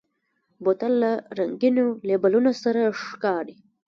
بوتل له رنګینو لیبلونو سره ښکاري.